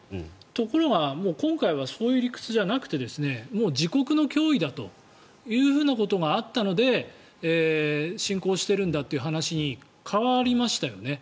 ところが、今回はそういう理屈じゃなくてもう自国の脅威だということがあったので侵攻してるんだという話に変わりましたよね。